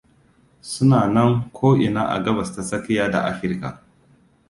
Suna nan ko ina a Gabas ta Tsakiya da Afirka.